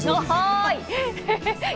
はい？